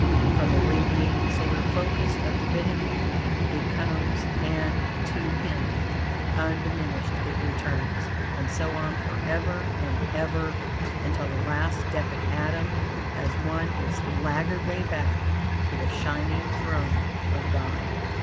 From the radiating solar focus of Divinity it comes, and to him, undiminished it returns, and so on forever and ever; until the last Deific atom has won its laggard way back to the shining throne of God.